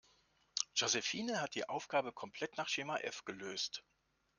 Josephine hat die Aufgabe komplett nach Schema F gelöst.